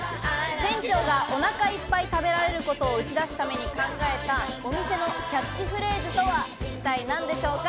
店長がお腹いっぱい食べられることを打ち出すために考えたお店のキャッチフレーズとは一体何でしょうか？